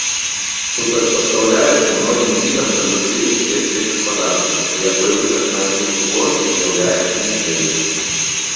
Супрацьпастаўляецца многім відам традыцыйнай сельскай гаспадаркі, у якой выхад на адзінку плошчы з'яўляецца ніжэй.